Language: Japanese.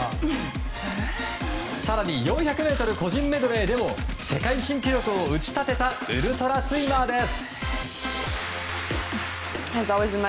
更に４００ｍ個人メドレーでも世界新記録を打ち立てたウルトラスイマーです。